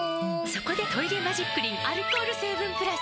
そこで「トイレマジックリン」アルコール成分プラス！